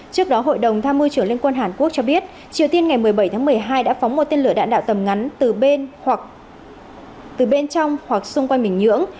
trước đó hội đồng tham mưu trưởng liên quân hàn quốc cho biết triều tiên ngày một mươi bảy tháng một mươi hai đã phóng một tên lửa đạn đạo tầm ngắn từ bên trong hoặc xung quanh bình nhưỡng